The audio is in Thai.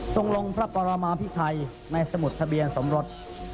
ลงพระปรมาพิไทยในสมุดทะเบียนสมรส